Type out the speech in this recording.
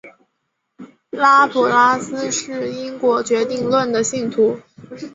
拉普拉斯是因果决定论的信徒。